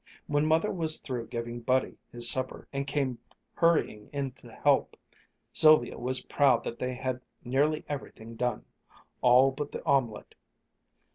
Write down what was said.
When Mother was through giving Buddy his supper and came hurrying in to help, Sylvia was proud that they had nearly everything done all but the omelet.